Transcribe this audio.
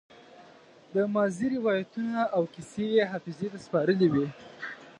د ماضي روايتونه او کيسې يې حافظې ته سپارلې وي.